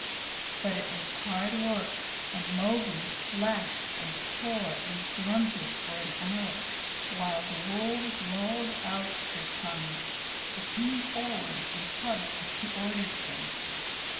But it was hard work, and Mowgli slashed and tore and grunted for an hour, while the wolves lolled out their tongues, or came forward and tugged as he ordered them.